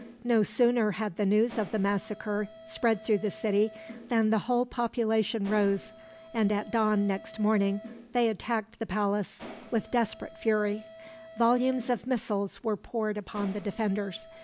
No sooner had the news of the massacre spread through the city than the whole population rose, and at dawn next morning they attacked the palace, with desperate fury. Volumes of missiles were poured upon the defenders.